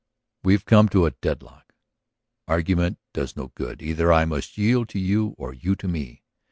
"We have come to a deadlock; argument does no good. Either I must yield to you or you to me.